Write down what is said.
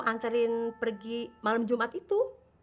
ancarin pergi malam jumat itu